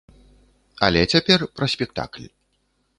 Але цяпер пра спектакль.